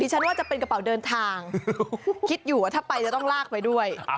ฉันว่าจะเป็นกระเป๋าเดินทางคิดอยู่ว่าถ้าไปจะต้องลากไปด้วย